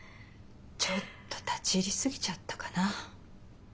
ちょっと立ち入りすぎちゃったかな。